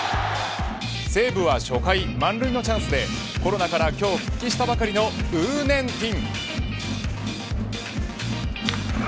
西武は初回満塁のチャンスでコロナから今日復帰したばかりの呉念庭。